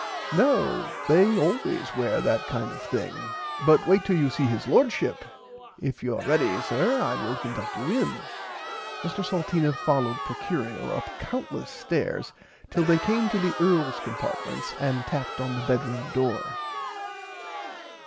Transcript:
No they always were that kind of thing but wait till you see his Lordship if you are ready sir I will conduct you in. [Pg 64] Mr Salteena followed Procurio up countless stairs till they came to the Earls compartments and tapped on the bedroom door.